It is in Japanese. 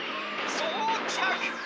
そうちゃく！